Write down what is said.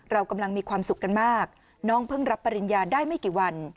เรากำลังมีความสุขกันมากน้องเพิ่งรับปริญญาได้ไม่กี่วัน